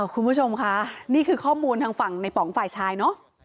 คุณผู้ชมค่ะนี่คือข้อมูลทางฝั่งในป๋องฝ่ายชายเนอะ